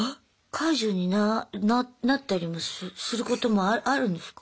解除にななったりもすることもあるんですか？